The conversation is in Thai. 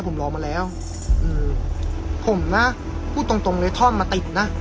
ผมรอมาแล้วอืมผมนะพูดตรงตรงเลยท่อนมาติดนะ